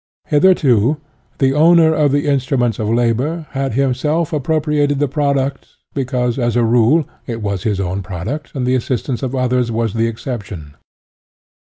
Hitherto, the owner of the instruments of labor had himself appropriated the product, because, as a rule, it was his own product and the assistance of others was the exception.